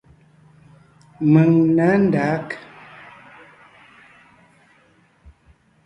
Mèŋ nǎ ndǎg.